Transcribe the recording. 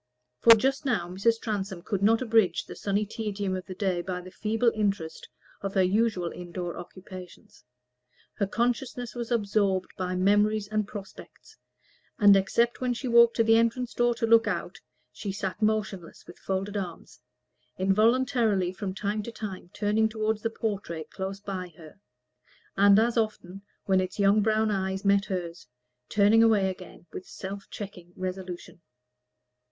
For, just now, Mrs. Transome could not abridge the sunny tedium of the day by the feeble interest of her usual indoor occupations. Her consciousness was absorbed by memories and prospects, and except that she walked to the entrance door to look out, she sat motionless with folded arms, involuntarily from time to time turning toward the portrait close by her, and as often, when its young brown eyes met hers, turning away again with self checking resolution.